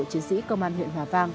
chiến sĩ công an huyện hòa vang